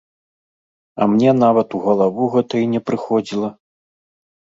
А мне нават у галаву гэта й не прыходзіла.